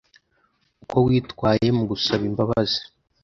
uko witwaye mugusaba imbabazi